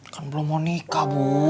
kan belum mau nikah bu